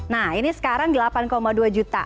nah ini sekarang delapan dua juta